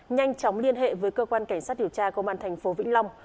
nhanh chóng liên hệ với cơ quan cảnh sát điều tra công an thành phố vĩnh long